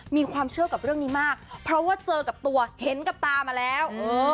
มีความเชื่อกับเรื่องนี้มากเพราะว่าเจอกับตัวเห็นกับตามาแล้ว